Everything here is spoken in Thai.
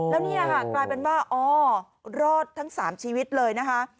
แล้วเนี่ยค่ะกลายเป็นว่าอ๋อรอดทั้ง๓ชีวิตเลยนะคะ